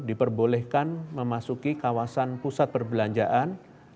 dan diperbolehkan memasuki kawasan perbelanjaan